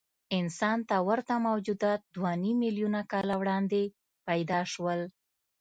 انسان ته ورته موجودات دوهنیم میلیونه کاله وړاندې پیدا شول.